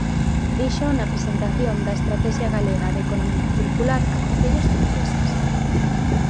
Díxoo na presentación da Estratexia Galega de Economía Circular a concellos e empresas.